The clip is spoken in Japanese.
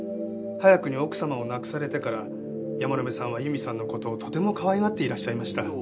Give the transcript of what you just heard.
早くに奥様を亡くされてから山野辺さんは佑美さんの事をとてもかわいがっていらっしゃいました。